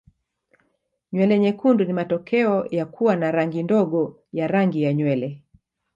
Nywele nyekundu ni matokeo ya kuwa na rangi ndogo ya rangi ya nywele.